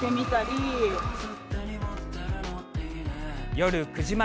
夜９時前。